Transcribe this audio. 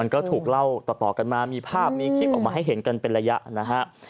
ก็ถูกเล่าต่อกันมามีภาพมีคลิปออกมาให้เห็นกันเป็นระยะนะฮะ